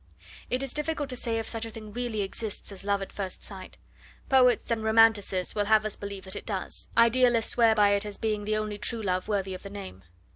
It is difficult to say if such a thing really exists as love at first sight. Poets and romancists will have us believe that it does; idealists swear by it as being the only true love worthy of the name.